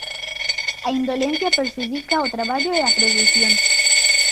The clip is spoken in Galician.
A indolencia prexudica o traballo e a produción.